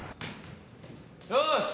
よし。